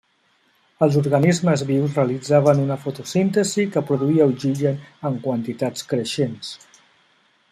Els organismes vius realitzaven una fotosíntesi que produïa oxigen en quantitats creixents.